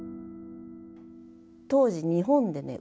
当時日本でね